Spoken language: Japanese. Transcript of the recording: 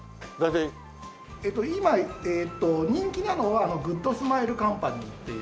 今人気なのはグッドスマイルカンパニーっていう。